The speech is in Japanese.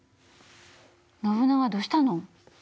ノブナガどうしたの？